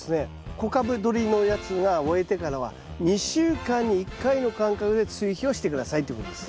小株どりのやつが終えてからは２週間に１回の間隔で追肥をして下さいということです。